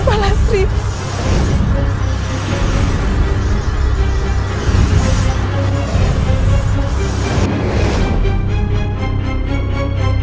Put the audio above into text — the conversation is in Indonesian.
tolong selamatkan mbak latlip